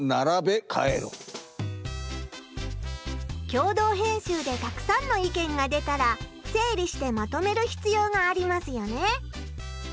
共同編集でたくさんの意見が出たら整理してまとめるひつようがありますよね。